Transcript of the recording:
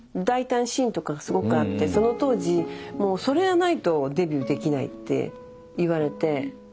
大胆シーンとかがすごくあってその当時もうそれやらないとデビューできないって言われて。